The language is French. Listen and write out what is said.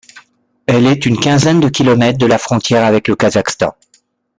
Elle est une quinzaine de kilomètres de la frontière avec le Kazakhstan.